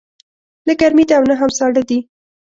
نه ګرمې ده او نه هم ساړه دی